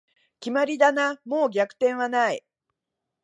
決まりだな、もう逆転はない